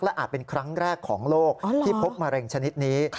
อาจเป็นครั้งแรกของโลกที่พบมะเร็งชนิดนี้